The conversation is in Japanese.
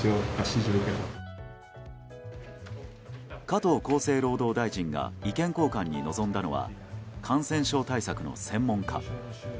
加藤厚生労働大臣が意見交換に臨んだのは感染症対策の専門家。